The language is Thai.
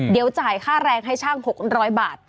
เดี๋ยวจ่ายค่าแรงให้ช่าง๖๐๐บาท